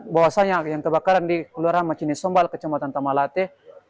bahwasannya yang kebakaran di kelurahan macini sombal kecamatan tamalate